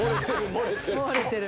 漏れてる。